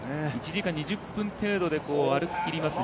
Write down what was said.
１時間２０分程度で歩ききります